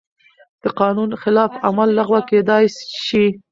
د قانون خلاف عمل لغوه کېدای شي.